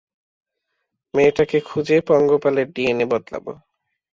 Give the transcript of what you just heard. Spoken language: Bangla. মেয়েটাকে খুঁজে, পঙ্গপালের ডিএনএ বদলাবো।